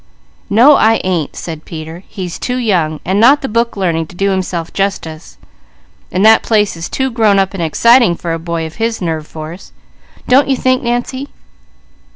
"No I ain't," said Peter. "He's too young, and not the book learning to do himself justice, while that place is too grown up and exciting for a boy of his nerve force. Don't you think, Nancy?"